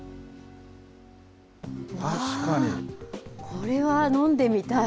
これは飲んでみたい。